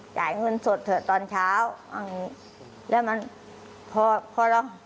จ่ายเงินสดเถอะตอนเช้าอันนี้แล้วมันพอพอแล้ว